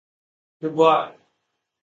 Dubois.